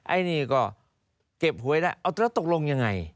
ไอ้นี่ก็เก็บหวยได้เอาแล้วตกลงยังไง